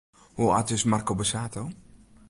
Hoe âld is Marco Borsato?